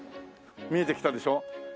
見えてきたでしょ？